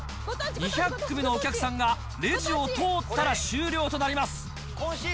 ２００組のお客さんがレジを通ったら終了となります。